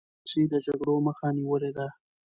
ډيپلوماسی د جګړو مخه نیولي ده.